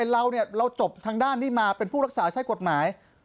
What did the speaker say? เราจบทางด้านนี้มาเป็นผู้รักษาใช้กฎหมาย